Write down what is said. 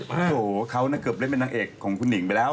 โอ้โฮเขาแน่เกิดเล่นเป็นหนังเอกของของคุณหญิงไปแล้ว